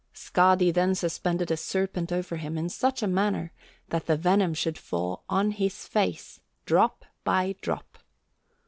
Skadi then suspended a serpent over him in such a manner that the venom should fall on his face, drop by drop.